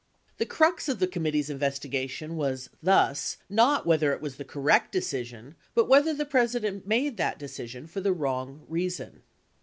The crux of the committee's investigation was, thus, not whether it was the correct decision but whether the President made that decision for the "wrong" reason.